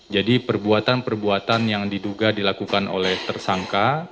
jadi perbuatan perbuatan yang diduga dilakukan oleh tersangka